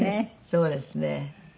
そうですね。